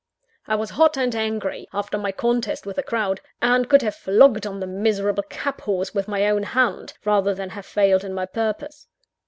I was hot and angry, after my contest with the crowd; and could have flogged on the miserable cab horse with my own hand, rather than have failed in my purpose.